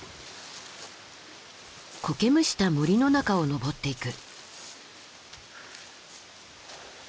苔むした森の中を登っていく。